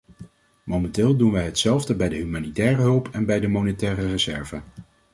Momenteel doen wij hetzelfde bij de humanitaire hulp en bij de monetaire reserve.